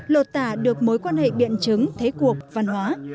lột tả được mối quan hệ biện chứng thế cuộc văn hóa